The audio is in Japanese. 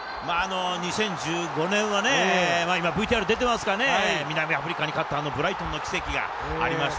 ２０１５年はね、今、ＶＴＲ出ていますかね、南アフリカに勝った、あのブライトンの奇跡がありました。